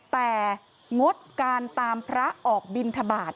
แต่งดการตามพระออกบินทบาท